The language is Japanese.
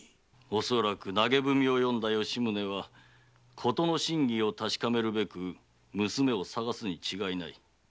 恐らく投げ文を読んだ吉宗は事の真偽を確かめるべく娘を捜すに違いない。